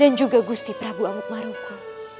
dan juga gusti prabu amuk maruko